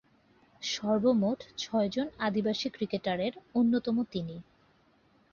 সর্বমোট ছয়জন আদিবাসী ক্রিকেটারের অন্যতম তিনি।